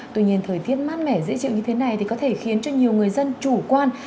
tuy nhiên thời tiết mát mẻ dễ chịu như thế này thì có thể khiến cho nhiều người dân chủ quan